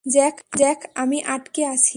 Jack আমি আটকে আছি।